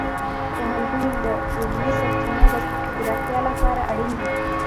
پوهنتون د علمي سرچینو د پراختیا لپاره اړین دی.